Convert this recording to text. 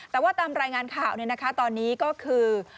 แต่ว่าตามรายงานข่าวตอนนี้ก็คือ